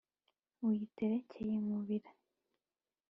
Uyiterekeye Nkubira,